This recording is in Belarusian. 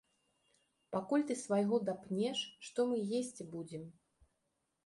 Пакуль ты свайго дапнеш, што мы есці будзем?